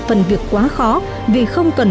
phần việc quá khó vì không cần